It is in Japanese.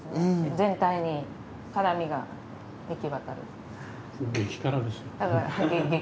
全体に辛みが行き渡る。